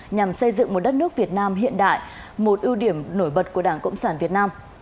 nhằm xây dựng một đất nước việt nam hiện đại một ưu điểm nổi bật của đảng cộng sản việt nam